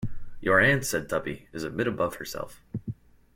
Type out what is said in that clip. Your aunt," said Tuppy, "is a bit above herself.